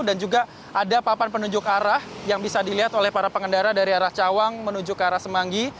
dan juga ada papan penunjuk arah yang bisa dilihat oleh para pengendara dari arah cawang menuju ke arah semanggi